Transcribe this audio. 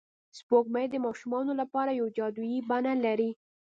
سپوږمۍ د ماشومانو لپاره یوه جادويي بڼه لري